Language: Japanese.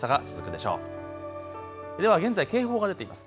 では現在、警報が出ています。